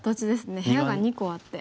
部屋が２個あって。